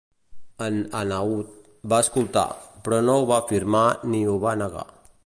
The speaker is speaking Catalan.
En Hanaud va escoltar, però no ho va afirmar ni ho va negar.